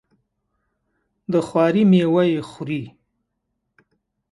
د خواري میوه یې خوري.